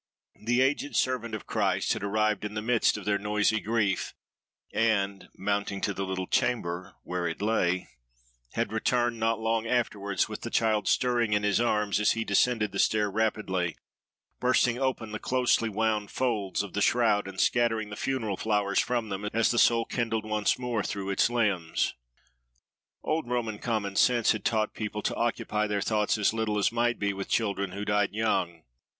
The aged servant of Christ had arrived in the midst of their noisy grief; and mounting to the little chamber where it lay, had returned, not long afterwards, with the child stirring in his arms as he descended the stair rapidly; bursting open the closely wound folds of the shroud and scattering the funeral flowers from them, as the soul kindled once more through its limbs. Old Roman common sense had taught people to occupy their thoughts as little as might be with children who died young.